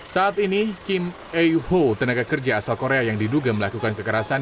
saat ini kim ayu ho tenaga kerja asal korea yang diduga melakukan kekerasan